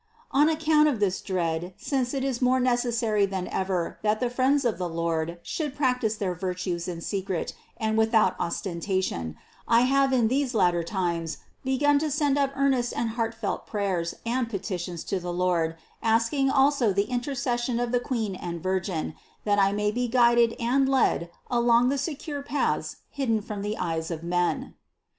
On account of this dread, since it is more necessary than ever that the friends of the Lord should practice their virtues in secret and with out ostentation, I have in these latter times begun to send up earnest and heartfelt prayers and petitions to the Lord, asking also the intercession of the Queen and Vir gin, that I may be guided and led along the secure paths hidden from the eyes of men.